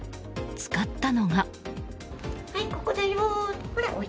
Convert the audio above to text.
使ったのが。